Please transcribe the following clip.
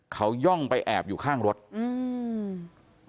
เขาย่องไปแอบอยู่ข้างรถอืม